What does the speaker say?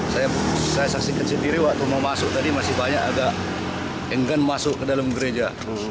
saya saksikan sendiri waktu mau masuk tadi masih banyak agak enggan masuk ke dalam gereja